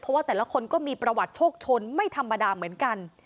เพราะว่าแต่ละคนก็มีประวัติโชคชนไม่ธรรมดาเหมือนกัน